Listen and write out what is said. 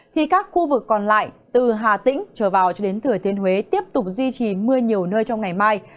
thì các khu vực còn lại từ hà tĩnh trở vào cho đến thừa thiên huế tiếp tục duy trì mưa nhiều nơi trong ngày mai